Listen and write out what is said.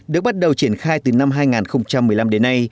được bắt đầu triển khai từ năm hai nghìn một mươi năm đến nay